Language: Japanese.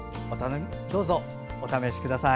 どうぞお試しください。